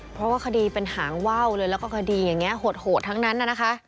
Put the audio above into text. เพราะว่าคดีเป็นหางว่าวเลยแล้วก็คดีอย่างนี้โหดทั้งนั้นนะคะ